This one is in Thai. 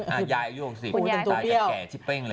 อายุ๖๐ตายจากแก่จิปเป้งเลย